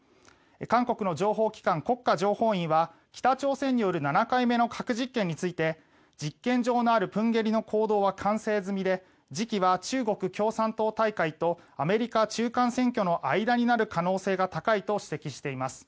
韓国の情報機関国家情報院は北朝鮮による７回目の核実験について実験場のある豊渓里の坑道は完成済みで時期は中国共産党大会とアメリカ中間選挙の間になる可能性が高いと指摘しています。